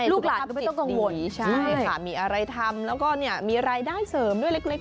ลูกหลานก็ไม่ต้องกังวลใช่ค่ะมีอะไรทำแล้วก็เนี่ยมีรายได้เสริมด้วยเล็ก